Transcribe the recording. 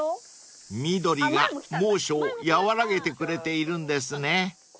［緑が猛暑を和らげてくれているんですね］